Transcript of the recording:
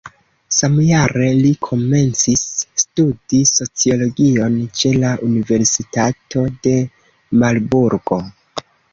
Samjare li komencis studi sociologion ĉe la universitato de Marburgo.